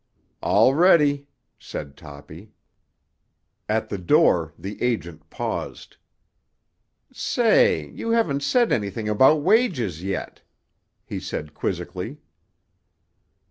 "All ready," said Toppy. At the door the agent paused. "Say, you haven't said anything about wages yet," he said quizzically.